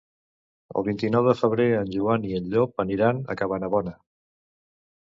El vint-i-nou de febrer en Joan i en Llop aniran a Cabanabona.